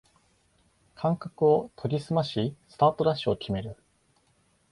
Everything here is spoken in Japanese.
感覚を研ぎすましスタートダッシュを決める